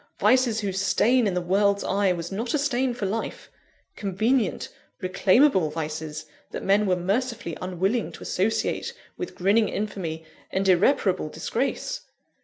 vices whose stain, in the world's eye, was not a stain for life! convenient, reclaimable vices, that men were mercifully unwilling to associate with grinning infamy and irreparable disgrace!